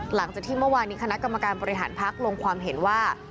หลังจากที่เมื่อวานนี้คณะกรรมการบริหารพักลงความเห็นว่า